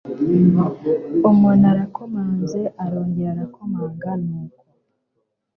umuntu arakomanze arongera arakomanga nuko